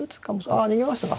ああ逃げましたか。